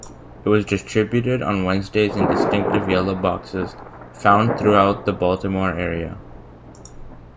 It was distributed on Wednesdays in distinctive yellow boxes found throughout the Baltimore area.